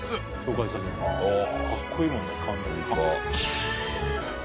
かっこいいもんね缶詰の缶が。